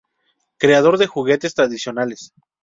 Creador de juguetes tradicionales.